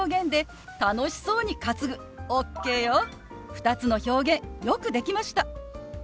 ２つの表現よくできました！